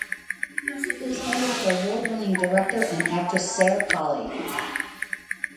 He was married to award-winning director and actress Sarah Polley.